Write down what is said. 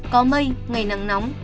có mây ngày nắng nóng